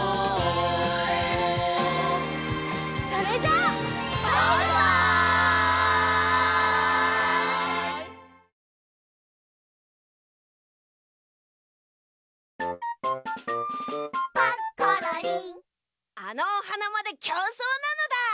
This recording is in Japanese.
あのおはなまできょうそうなのだ！